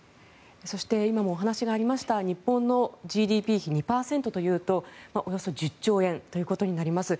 そして今もお話がありました日本のＧＤＰ比２％というとおよそ１０兆円となります。